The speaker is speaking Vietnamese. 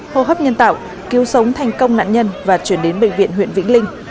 hô hấp nhân tạo cứu sống thành công nạn nhân và chuyển đến bệnh viện huyện vĩnh linh